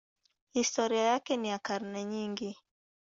Historia yake ni ya karne nyingi.